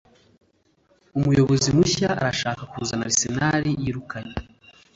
Umuyobozi mushya arashaka kuzana Arsenal yirukanye